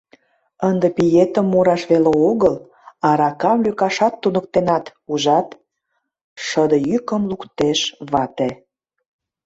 — Ынде пиетым мураш веле огыл, аракам лӧкашат туныктенат, ужат? — шыде йӱкым луктеш вате.